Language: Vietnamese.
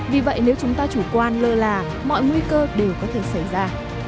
vì vậy nếu chúng ta chủ quan lơ là mọi nguy cơ đều có thể xảy ra